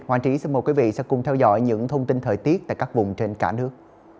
hoàng trí xin mời quý vị sẽ cùng theo dõi những thông tin thời tiết tại các vùng trên cả nước